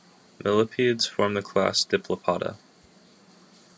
Millipedes form the class Diplopoda.